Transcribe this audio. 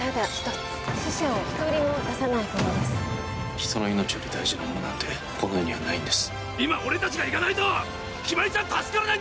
人の命より大事なものなんてこの世にないんです。